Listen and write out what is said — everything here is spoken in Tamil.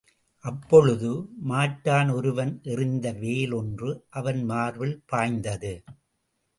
அப்பொழுது மாற்றான் ஒருவன் எறிந்த வேல் ஒன்று அவன் மார்பில் பாய்ந்தது.